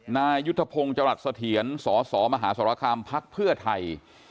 นายุทธพงศ์จัวรัฐเสถียรสสมหาศาลกรรมภักดิ์เพื่อไทย